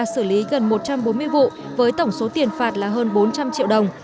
xử lý gần một trăm bốn mươi vụ với tổng số tiền phạt là hơn bốn trăm linh triệu đồng